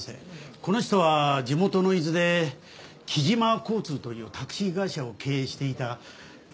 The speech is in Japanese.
この人は地元の伊豆で木島交通というタクシー会社を経営していた木島定良さんです。